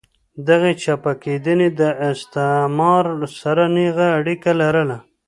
دغې چپه کېدنې له استعمار سره نېغه اړیکه لرله.